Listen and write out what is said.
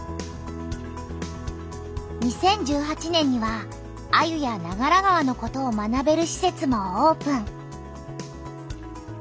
２０１８年にはアユや長良川のことを学べるしせつもオープン！